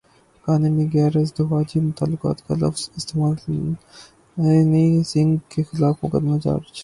گانے میں غیر ازدواجی تعلقات کا لفظ استعمال ہنی سنگھ کے خلاف مقدمہ درج